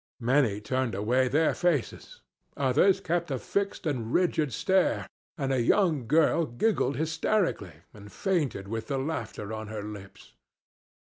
Many turned away their faces; others kept a fixed and rigid stare, and a young girl giggled hysterically and fainted with the laughter on her lips.